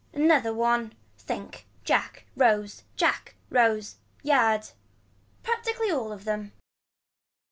Another one. Think. Jack Rose Jack Rose. Yard. Practically all of them.